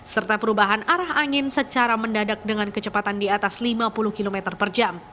serta perubahan arah angin secara mendadak dengan kecepatan di atas lima puluh km per jam